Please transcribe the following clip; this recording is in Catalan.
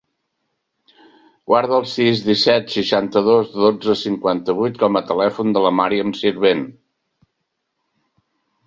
Guarda el sis, disset, seixanta-dos, dotze, cinquanta-vuit com a telèfon de la Màriam Sirvent.